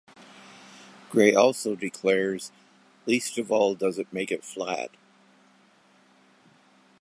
Gray also declares, "least of all does it make it flat".